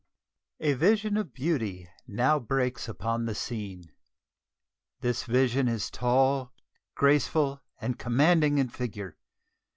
A Vision of beauty now breaks upon the scene! This vision is tall, graceful, and commanding in figure.